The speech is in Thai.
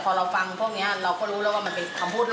เขามาก็จะตักสายเราทิ้งไปเลย